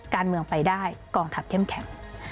การเมืองไปได้กองทัพเข้มแข็ง